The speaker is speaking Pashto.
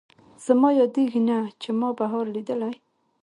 زما یادېږي نه، چې ما بهار لیدلی